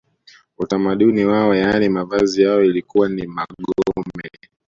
Utamaduni wao yaani mavazi yao ilikuwa ni magome